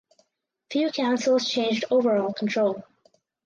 Few councils changed overall control.